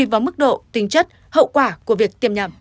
vào mức độ tính chất hậu quả của việc tiêm nhầm